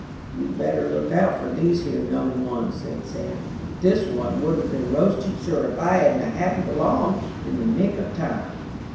"You'd better look out for these here young ones," said Sam. "This one would have been roasted sure, if I hadn't a happened along in the nick of time."